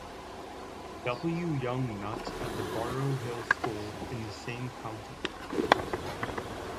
W. Young Nutt at the Burrough Hill school in the same county.